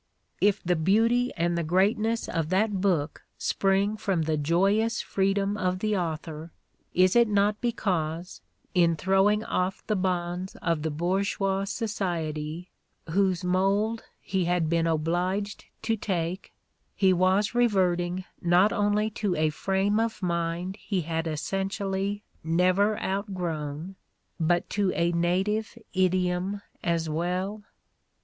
If the beauty and the greatness of that book spring from the joyous freedom of the author, is it not because, in throwing off the bonds of the bourgeois society whose mold he had been obliged to take, he was reverting not only to a frame of mind he had essentially never outgrown, but to a native idiom as well?